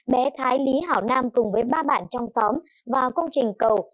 bé thái lý hảo nam cùng với ba bạn trong xóm vào công trình cầu